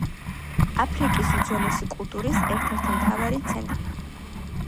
აფრიკის უძველესი კულტურის ერთ-ერთი მთავარი ცენტრი.